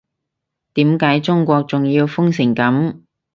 點解中國仲要封成噉